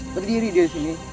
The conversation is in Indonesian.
berdiri dia di sini